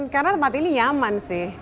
karena tempat ini nyaman sih